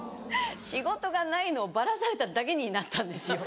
仕事がないのをバラされただけになったんですよ。